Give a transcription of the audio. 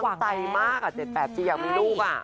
คือตั้งใจมากอะเกิดแปลบดีอยากมีลูกอะ